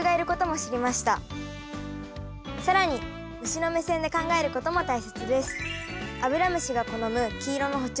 更に虫の目線で考えることも大切です。